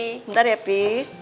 bentar ya pi